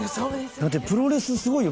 だってプロレスすごいよ！